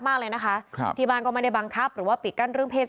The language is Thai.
มากเลยนะคะครับที่บ้านก็ไม่ได้บังคับหรือว่าปิดกั้นเรื่องเศษ